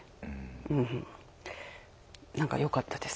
うんなんかよかったです。